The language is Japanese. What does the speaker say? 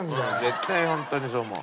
絶対ホントにそう思う。